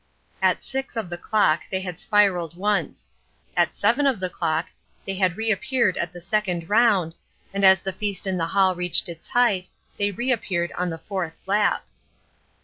At six of the clock they had spiralled once. At seven of the clock they had reappeared at the second round, and as the feast in the hall reached its height, they reappeared on the fourth lap.